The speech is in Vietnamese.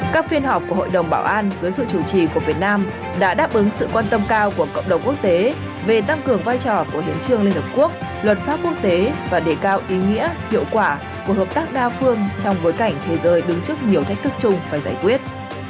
các phiên họp của hội đồng bảo an dưới sự chủ trì của việt nam đã đáp ứng sự quan tâm cao của cộng đồng quốc tế về tăng cường vai trò của hiến trương liên hợp quốc luật pháp quốc tế và đề cao ý nghĩa hiệu quả của hợp tác đa phương trong bối cảnh thế giới đứng trước nhiều thách thức chung và giải quyết